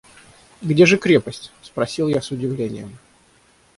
«Где же крепость?» – спросил я с удивлением.